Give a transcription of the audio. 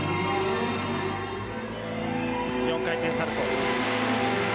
４回転サルコー。